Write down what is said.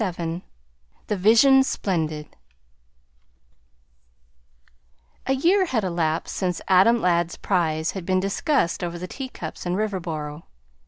'" XXVII "THE VISION SPLENDID" A year had elapsed since Adam Ladd's prize had been discussed over the teacups in Riverboro.